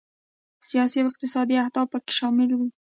سیاسي او اقتصادي اهداف پکې شامل دي.